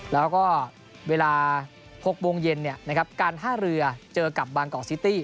แล้วก็เวลา๖โมงเย็นการท่าเรือเจอกับบางกอกซิตี้